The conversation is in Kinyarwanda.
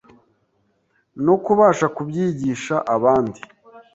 no kubasha kubyigisha abandi